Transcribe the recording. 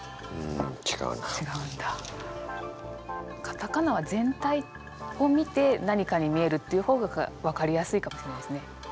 カタカナは全体を見て何かに見えるっていう方が分かりやすいかもしれないですね。